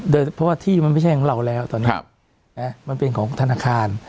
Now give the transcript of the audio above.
เพราะว่าที่มันไม่ใช่ของเราแล้วตอนนี้มันเป็นของธนาคาร